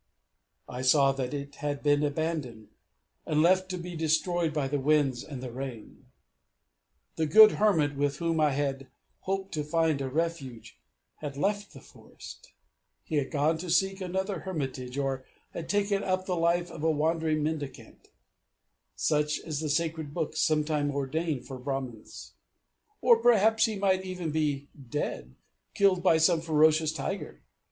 I saw that it had been abandoned, and left to be destroyed by the winds and the rain. The good Hermit, with whom I had hoped to find a refuge, had left the forest; he had gone to seek another hermitage, or had taken up the life of a wandering mendicant, such as the Sacred Books sometimes ordain for Brahmans; or perhaps he might even be dead, killed by some ferocious tiger.